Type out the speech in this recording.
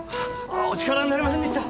お力になれませんでした。